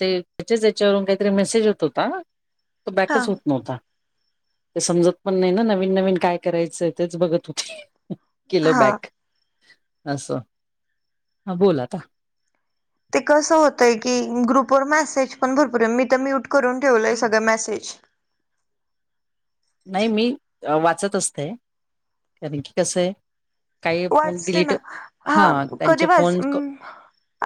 ते त्याच्याच याच्यावरून काहीतरी मेसेज होत होता तो हा बॅकच होत नव्हता ते समजत पण नाही ना नवीन नवीन काय करायचं तेच बघत होते केल हा बॅक असं हा बोल आता ते कसं होतय की ग्रुपवर मेसेज पण भरपूर आहे मी तर म्यूट करून ठेवलंय सगळ मेसेज नाही मी वाचत असते कारण की कसं आहे काही मग वाचते डिलीट ना हा कधी त्यांचे वाच फोन हम्म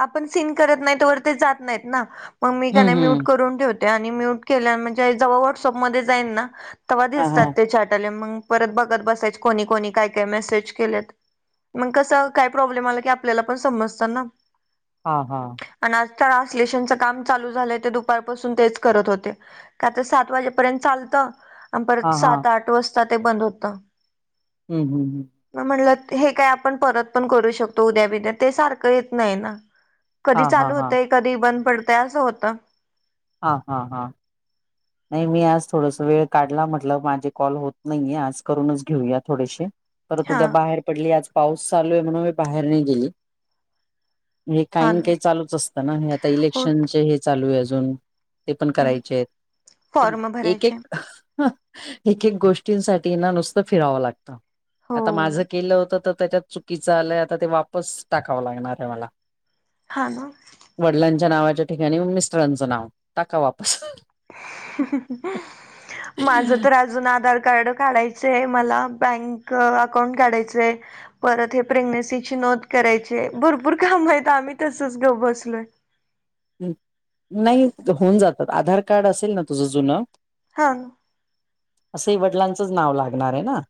आपण सिन करत नाही तवर ते जात नाहीत ना मग मी हम्म कणाय म्यूट हम्म करून ठेवत आणि म्यूट केल्याव म्हणजे जेव्हा व्हॉट्सअपमध्ये जाईन ना तेव्हा हा हा दिसतात ते चॅट आलेले मग परत बघत बसायचे कोणी कोणी काय काय मेसेज केलेत मग कसं काय प्रॉब्लेम आला की आपल्याला पण समजतना हा हा आणि आज ट्रान्सलेशनच काम चालू झालंय ते दुपारपासून तेच करत होते काय तर सात वाजेपर्यंत चालतं आणि हा परत हा सात आठ वाजता ते बंद होत हम्म हम्म हम्म मग म्हणलं हे काय आपण परत पण करू शकतो उद्या बद्या ते सारखं येत नाही ना कधी हा हा चालू हा होतय कधी बंद पडतय असं होतं हा हा हा नाही मी आज थोडस वेळ काढला म्हटलं माझे कॉल होत नाहीेये आज करूनच घेऊया थोडेसे परत हा उद्या बाहेर पडली आज पाऊस चालू आहे म्हणून मी बाहेर नाही गेली हे हा काहीन ना काहीन चालूच असतं ना हे आता होत. इलेक्शनचे हे चालू आहे अजून ते पण करायचे आहेत फॉर्म एक भरायचे एक एक एक गोष्टींसाठी ना नुसतं फिरावं लागतं हो आता माझं केलं होतं तर त्याच्यात चुकीचं आलंय आता ते वापस टाकावं लागणार आहे मला हा ना वडिलांच्या नावाच्या ठिकाणी मिस्टरांचं नाव टाका वापस माझ तर अजून आधार कार्ड काढायचय मला बँक अकाउंट काढायचंय परत हे प्रेग्नेन्सीची नोंद करायचीय भरपूर काम आहेत आम्ही तसच गप्प बसलोय नाही होऊन जात आधार कार्ड असेल ना तुझं जुनं हां असही वडिलांचंच नाव लागणार आहे ना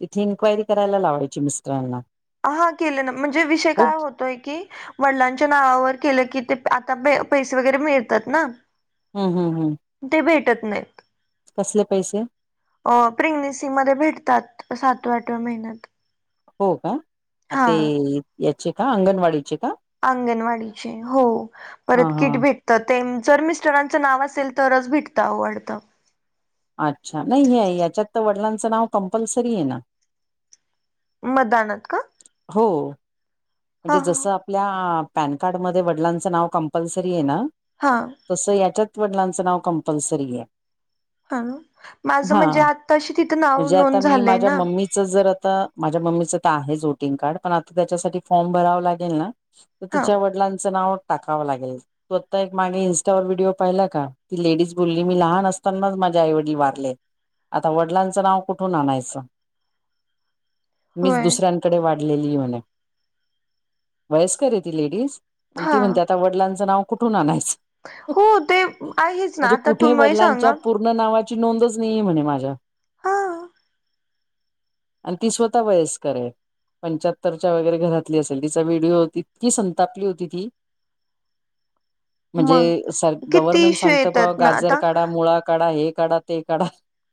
तिथे इन्क्वायरी करायला लावायची मिस्टराना हा केली आहे ना म्हणजे विषय काय होत तोय की वडिलांच्या नावावर केलं की ते आता पैसे वगैरे मिळतात ना हम्म हम्म हम्म ते भेटत नाहीत कसले पैसे अ प्रेग्नेन्सी मध्ये भेटतात सातव्या आठव्या महिन्यात हो का आ हा ते याचे का अंगणवाडीचे का अंगणवाडीचे हो हा परत हा किट भेट तर ते जर मिस्टरांचं नाव असेल तरच भेटतं आवडतं अच्छा नाही हे याच्यात तर वडिलांचं नाव कम्पल्सरी आहे ना मतदानात का हो म्हणजे ह जसं आप आपल्या पॅन कार्ड मध्ये वडिलांचं नाव कंपल्सरी आहे ना हां तसं याच्यात वडिलांचं नाव कंपल्सरी आहे हा माझं हा म्हणजे आताशीक इथं नाव म्हणजे आता नोंद मी झालंय माझ्या ना मम्मीचं जर आता माझ्या मम्मीच तर आहेच वोटिंग कार्ड पण आता त्याच्यासाठी फॉर्म भरावा लागेल ना तर हा तिच्या वडिलांचं नाव टाकावं लागेल तू आता एक मागे इन्स्टावर व्हिडिओ पाहिला का ती लेडीज बोलली मी लहान असतानाच माझ्या आईवडील वारले आता वडिलांचं नाव कुठून आणायच मीच होय दुसऱ्यां व म्हण हा आ वडलांच नाव कुठून आणायचं हो ते आहेच ना म्हणजे आता कुठे तुम्ही वडलांच्या सांगा पूर् पूर्ण नावाची नोंदच नाहीे म्हणे माझ्या ह आणि ती स्वतः वयस्कर आहे पंच्याहत्तरच्या वगैरे घरातली असेल तिचा व्हिडिओ हो इतकी संतापली होती ती म्हणजे मग सर किती गव्हर्नमेंट इश्यू सांगत प येतात ना गाजर आता काढा मुळा काढा हे काढा तेकड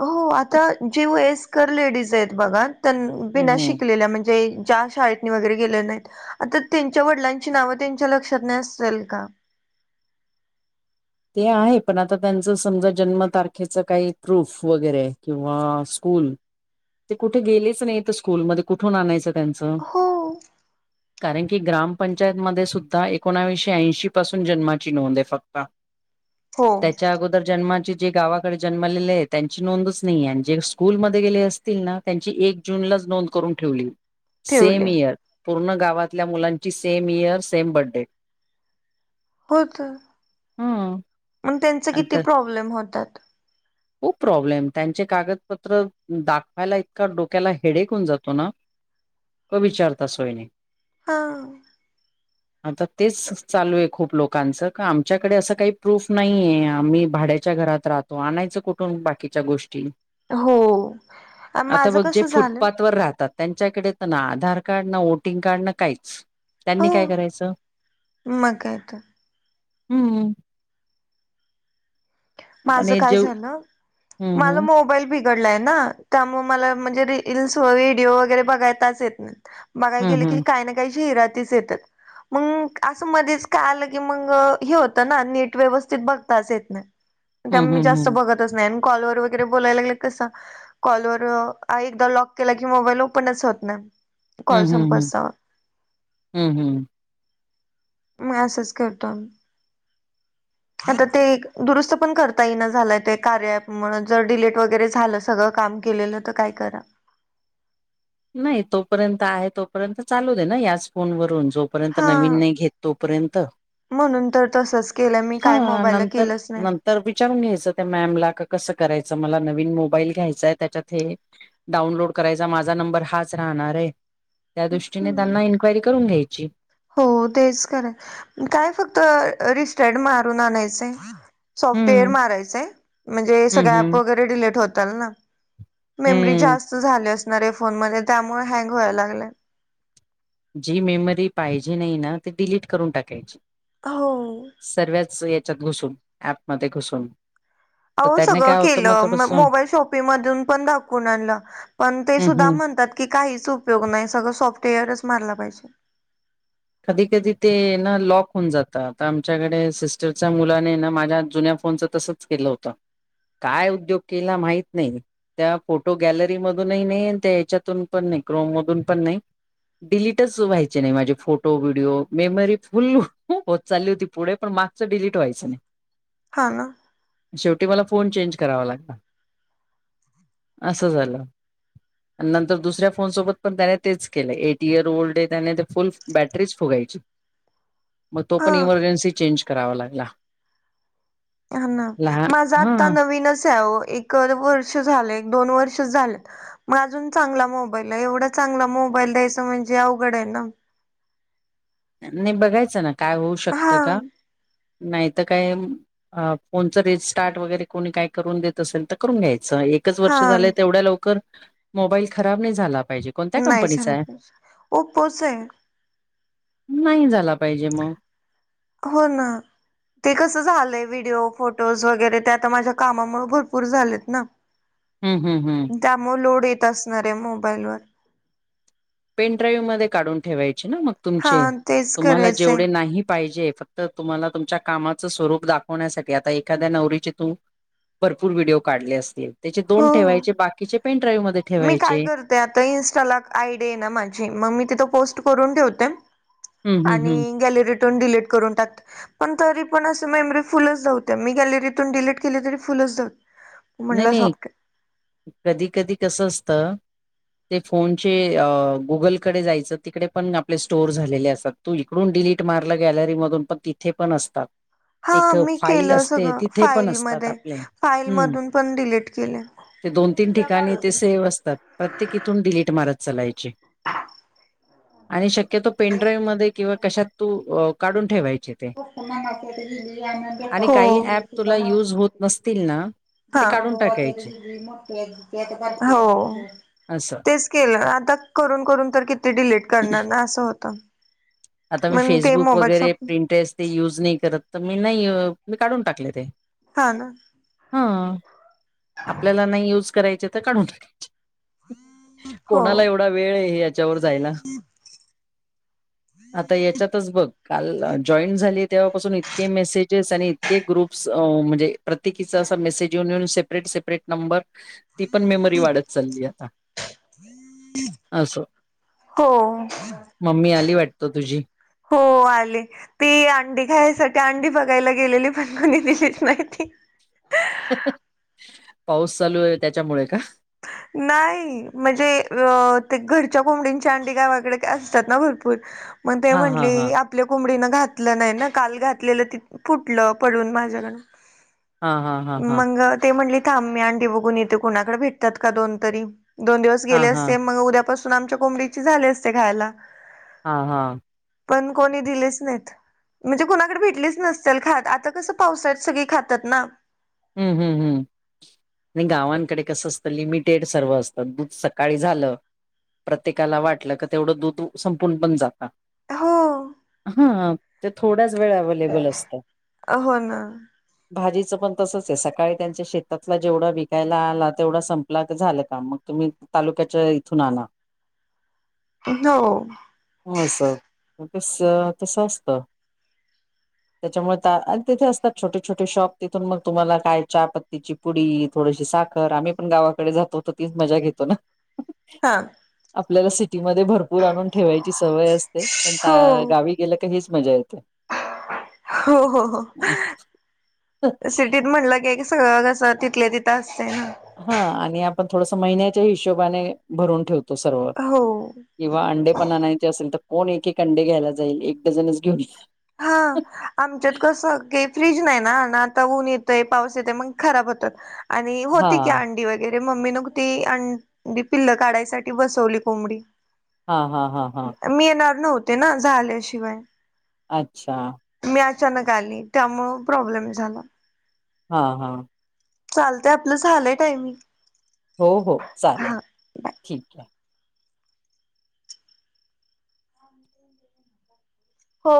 हो आता जी वएस्कर लेडीज आहेत बघात बिना हम्म शिकलेल्या म्हणजे ज्या शाळेत वगैरे केले नाहीत आता त्यांच्या वडिलांची नाव त्यांच्या लक्षात नाही अस का ते आहे पण आता त्यांचं समजा जन्मतारखेचं काही प्रूफ वगैरे किंवा स्कूल ते कुठे गेलेच नाही तर स्कूलमध्ये कुठून आणायचं त्यांचं हो कारण की ग्रामपंचायत मध्ये सुद्धा एकोणाविशे ऐंशी पासून जन्माची नोंद आहे फक्त हो त्याच्या अगोदर जन्माचे जे गावाकडे जन्मलेले आहे त्यांची नोंदच नाही आणि जे स्कूलमध्ये गेले असते ना त्यांची एक जूनलाच नोंद करून ठेवली सेम ठेवले इयर पूर्ण गावातल्या मुलांची सेम इयर सेम बडे होत हम्म. मग त्यांच आणि किती तर प्रॉब्लेम होतात खूप प्रॉब्लेम त्यांचे कागदपत्र दाखवायला इतका डोक्याला हेडेक होऊन जातो ना क विचारतासोयनी हा आता तेच चालू आहे खूप लोकांचं का आमच्याकडे असं काही प्रूफ नाही आहे आम्ही भाड्याच्या घरात राहतो आणायच कुठून बाकीच्या गोष्टी हो आता माझं बघ जे कसं झालं फुटपाथ वर राहतात त्यांच्याकडे तर ना आधार कार्ड ना व्होटिंग कार्ड ना काहीच हो त्यांनी काय करायचं मग काय तर हम्म माझ आणि काय जेव झालं माझ हम्म मोबाईल ब बिघडला ना त्यामुळे रिल्स व्हिडिओ बघताच येत नाही बघाय हम्म गेले की काही ना काहीशी हिरातीस येतात मग असं मध्येच काय आलं की मग हे होतं ना नेट व्यवस्थित बघता येत नाही हम्म हम्म. त्यामुळे हम्म मी जास्त हम्म बघतच नाही आणि कॉलवर वगैरे बोलायला लागले कसं कॉलर एकदा लॉक केला की मोबाईल ओपनच होत ना हम्म हम्म हम्म हम्म हम्म म असच करतो आता ते दुरुस्त पण करता ये ना झालंय ते कार्य म्हण जर डिलेट वगैरे झालं सगळं काम केलेलं तर काय करा नाही तोपर्यंत आहे तोपर्यंत चालू दे ना याच फोन वून जोपर्यंत हा नवीन नाही घेत तोपर्यंत म्हणून तर तसच केलं मी काय मोबाईलला केलंच नाही तर विचारून घ्यायचं त्या मॅमला का कसं करायचं मला नवीन मोबाईल घ्यायचाय त्याच्यात हे डाउनलोड करायचा माझा नंबर हाच राहणार आहे त्या दृष्टीने हम्म त्यांना इन्क्वायरी करून घ्यायची हो तेच खरा काय फक्त रिस्टर्ड मारून आणायचं सॉफ्टवेअर हम्म मारायचंय म्हणजे हम्म सगळं हम्म. प वगैरे डिलीट होतल ना मेमरी हम्म, जास्त झाली असणार या फोन मध्ये त्यामुळे हँग व्हायला लागलं जी मेमरी पाहिजे नाही ना ते डिलीट करून टाकायची हो सर्वच याच्यात घुसून ऍपमध्येध्ये घुसून तर अह त्याने सगळं काय होतं मग केलं थोडंसं मोबाईल शॉपिंग मधून पण दाकवून आणलं पण ते हं, सुद्धा हं. म्हणतात की काहीच उपयोग नाय सगळं सॉफ्टवेअरच मारला पाहिजे. कधी कधी ते ना लॉक होऊन जात आता आमच्याकडे सिस्टरच्या मुलाने न माझ्या जुन्या फोनच तसंच चं केलं होत काय उद्योग केला माहित नाही. त्या फोटो गॅलरी मधूनही नही त्या हयच्यातून पण नाही क्रोम मधून पण नाही. डिलीटच व्हायचे नाय माझे फोट तो व्हिडिओ मेमरी फुल होत चालली होती पुढे पण मागचं डिलीट व्हायंचं नाय. हा ना शेवटी मला फोन चेंज करावा लागला असं झालं. नंतर दुसऱ्या फोन सोबत पण त्याने तेच केलं एट इयर ओल्ड ये त्याने त फुल बॅटरीच फुगायची म तो हा पण इमर्जन्सी चेंज करावा लागला. हा ना लहान माझा हा आत्ता नवीनच हाय ओ एखाद वर्ष झालं एक दोन वर्षच झालेत. मग अजून चांगला मोबाईल ये एवढा चांगला मोबाईल द्यायच म्हणजे अवघड हाय ना नाही बघायचं ना काय होऊ हा शकतं का नाय त काय? अ फोनचं रिस्टार्ट वगैरे कोणी काय करून देत असेल त करून घ्यायचं एक एकच हा वर्ष झालं तेवढ्या लवकर मोबाईल खराब नाही झाला पाहिजे. कोणत्या नाय कंपनीचा झाला आहे पाहिजे ओपोचय. नाही झाला पाहिजे म हो ना ते कसं झालंय व्हिडिओ फोटोज वगैरे ते आता माझ्या कामामुळे भरपूर झालेत ना [inaudible] हूं हूं हूं त्यामुळं लोड येत असणार ये मोबाईलवर पेन ड्राईव्ह मध्ये काढून ठेवायचे ना मग तुमचे हा तेच तुम्हाला करायचंय जेवढे नाही पाहिजे फक् तर तुम्हाला तुमच्या कामाचं स्वरूप दाखवण्यासाठी आता एखाद्या नवरीचे तू भरपूर व्हिडिओ काढले असतील त्याचे दोन हो ठेवायचे बाकीचे पेन ड्राईव्ह मध्ये ठेवायचे. ते आता इन्स्टाला आयडी ये ना माझी म मी तिथ पोस्ट करून ठेवते. हम्म हम्म हम्म आणि गॅलरीतून डिलीट करून टाक पण तरी पण अस मेमरी फुलच दावते. मी गॅलरीतून डिलीट केली तरी फुलच दाव नय नय कधी कधी कसं असत ते फोनचे अ गुगलकडे जायचं. तिकडे पण आपले स्टोअर झालेले असतात. तू इकडून डिलीट मारलं गॅलरी मधून पण तिथे पण असतात. हा एक मी फाईल केलं असते सगळं तिथे पण असतात फाईलमध्ये आपले हम्म फाईलमधून पण डिलीट केले. ते दोन तीन ठिकाणी ते सेव्ह असतात. प्रत्येक इथुन डिलीट मारत चलायचे आणि शक्य क्य तो पेनड्राईव्ह मध्ये किंवा कशात तू अ काढून ठेवायचे. ते. हो हा आणि काही ऍप तुला युज होत नसतील ना ते काढून टाकायचे हो असं. तेच केलं आ- आता करून करून तर किती डिलीट करणार ना असं होतं. आता मी मग ते फेसबुक मोबाईल वगैरे शॉप प्रिंटेस ते युज नाय करत तर, मी नाय मी काढून टाकले ते. हा ना हा आपल्याला नाही युज करायचे तर काढून टाकायचे. हो कोणाला एवढा वेळ ये याच्यावर जायला. आता याच्यातच बघ काल जॉईंट झाली तेव्हापासून इतके मेसेजेस आणि इ तके ग्रुप्स अ म्हणजे प्रत्येकीचा असा मेसेज येऊन येेऊन सेपरेट सेपरेट नंबर ती पण मेमरी वाढत चालली आता अस. हो मम्मी आली वाटतं तुझी? हो आली. ती अंडी खाण्यासाठी अंडी बघायला गेलेली. पण कोणी दीलीच नाय ती. पाऊस चालू आहे त्याच्यामुळे का? नाही म्हणजे अ ते घरच्या कोंबडींची अंडी गावाकडे असतात ना भरपूर? मग ते हां, हां, म्हंटले हां. आप आपल्या कोुंबडीनं घातलं नाही ना. काल घातलेलं ति फुटलं पडून माझ्या कडुन. हां, हां, हां, हां. मग ती म्हणली थांब मी आंडी बघुन येते. इथे कुणाकडे भेटतात का दोन तरी. दोन दिवस गेले हां, हां. असते. मग उद्यापासून आमच्या कोंबडीची झाले असते खायला. हां हां. पण कोणी दिलेच नाहीत. म्हणजे कुणाकडे भेटलीच नसतील. खात आता कसं पावसाळत सगळी खातात ना? हम्म हम्म हम्. नाही गावांकडे कसं असतं. लिमिटेड सर्व असत. दूध सकाळी झालं. प्रत्येकाला वाटलं क तेवढं दूध संपून पण जाता हो हा. ते थोड्याच वेळ अवलेबल असतात. हो ना भाजीच पण तसच आहे. सकाळी त्यांच्या शेतातला जेवढा विकायला आला तेवढा संपला क झालं का मग. तुम्ही तालुक्याच्या इथून आणा. हो. असं. कस तस असतं. त्याच्यामुळे तिथे असतात. छोटे छोटे शॉप तिथून मग तुम्हाला काय हा चहा पत्तीची पुडी, थोडीशी साखर आम्ही पण गावाकडे जातो तर तीच मजा घेतो ना. हा. आपल्याला सिटीमध्ये भरपूर आणून ठेवायची सवय असते. पण हो गावी गला काहीच मजा येते. हो हो हो. सिटीत म्हटलं की, सगळंसं तिथले तिथं असतंय ना? हा आणि आपण थोडस महिन्याच्या हिशोबाने भरून ठेवतो सर्व. हो किंवा अंडे पण आणायचे असेल तर कोण एक एक अंडे घ्यायला जाईल एक डझनच घेऊन हा आमच्यात कसं काही फ्रीज नाही ना ना आता ऊन येतय पाऊस येतय मग खराब होतात आणि होती की हां, अंडी वगैरे वगैरे मम्मी नग ती अी पिल्ल काढायसाठी बसवली कोंबडी हा हा हा हा मी येणार नव्हते ना झाल्याशिवाय. अच्छा. मी अचानक आली त्यामु प्रॉब्लेम झाला. हा हा. चालतय आपलं झालंय टायमिंग. हो हो चालेल. हा ठीक आहे. हो